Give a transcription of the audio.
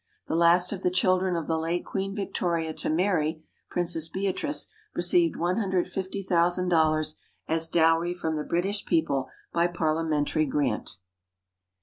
The last of the children of the late Queen Victoria to marry, Princess Beatrice, received $150,000 as dowry from the British people by Parliamentary grant.